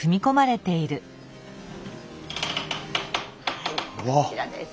はいこちらです。